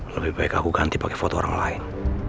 lebih baik aku ganti pakai foto orang lain